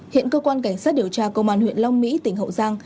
hiện cơ quan cảnh sát điều tra công an huyện long mỹ tỉnh hậu giang